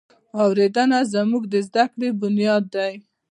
اورېدنه زموږ د زده کړې بنیاد دی.